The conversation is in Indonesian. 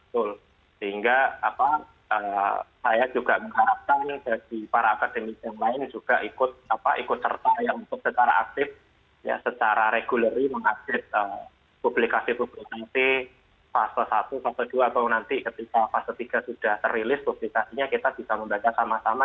sehingga saya juga mengharapkan dari para akademisi yang lain juga ikut serta yang untuk secara aktif secara regulary mengupdate publikasi publik nanti fase satu fase dua atau nanti ketika fase tiga sudah terilis publikasinya kita bisa membaca sama sama